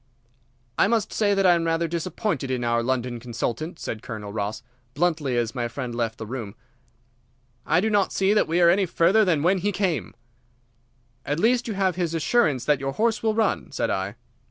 "I must say that I am rather disappointed in our London consultant," said Colonel Ross, bluntly, as my friend left the room. "I do not see that we are any further than when he came." "At least you have his assurance that your horse will run," said I.